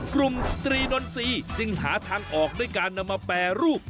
สตรีดนตรีจึงหาทางออกด้วยการนำมาแปรรูป